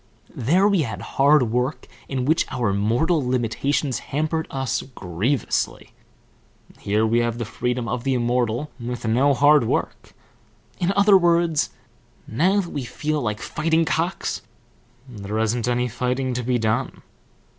There we had hard work in which our mortal limitations hampered us grievously; here we have the freedom of the immortal with no hard work; in other words, now that we feel like fighting cocks, there isn't any fighting to be done.